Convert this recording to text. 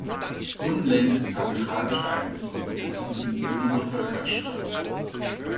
Unlängst haben tragische Ereignisse unsere Gewissen und unsere Völker erschüttert.